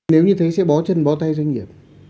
nếu như thế sẽ bó chân bó tay doanh nghiệp